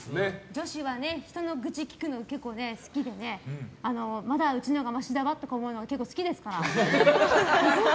女子は人の愚痴を聞くのが結構好きでねまだうちのほうがましだわって思うのが結構、好きですから。